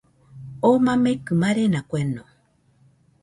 Oo mamekɨ marena kueno